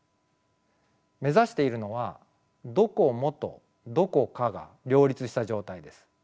目指しているのは「どこも」と「どこか」が両立した状態です。